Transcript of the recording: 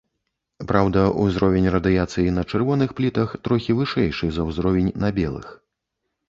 Праўда, узровень радыяцыі на чырвоных плітах трохі вышэйшы за ўзровень на белых.